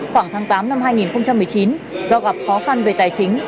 khoảng tháng tám năm hai nghìn một mươi chín do gặp khó khăn về tài chính